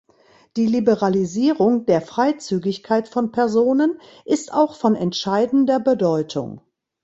Die Liberalisierung der Freizügigkeit von Personen ist auch von entscheidender Bedeutung.